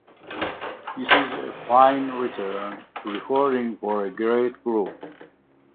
This is a fine return to recording for a great group.